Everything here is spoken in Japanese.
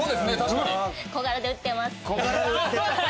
「小柄で売ってます」。